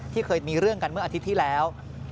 เคยมีเรื่องกันเมื่ออาทิตย์ที่แล้ว